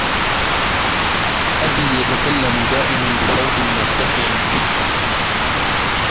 أبي يتكلم دائما بصوت مرتفع جدا.